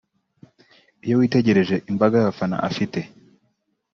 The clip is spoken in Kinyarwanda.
iyo witegereje imbaga y’abafana afite